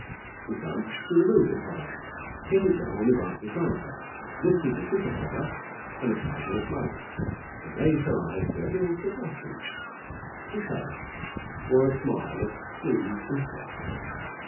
This done, she removed the cover, set it down on the grass beside her, lifted the super cover and applied more smoke, and raised her eyes to where Bill stood watching. His face wore a smile of pleased interest.